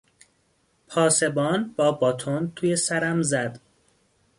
پاسبان با باتون توی سرم زد.